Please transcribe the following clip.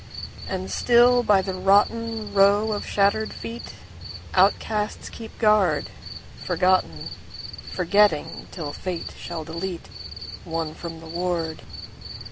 And still by the rottenRow of shattered feet, Outcasts keep guard. Forgotten, Forgetting, till fate shall deleteOne from the ward.